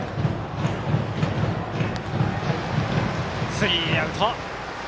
スリーアウト。